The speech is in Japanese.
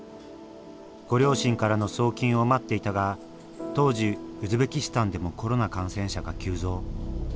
ご両親からの送金を待っていたが当時ウズベキスタンでもコロナ感染者が急増。